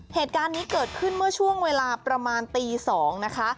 เหตุการณ์นี้เกิดขึ้นเมื่อช่วงเวลาประมาณตี๒นะคะ